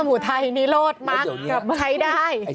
มันเป็นเรื่องที่โหลดมากกับใครได้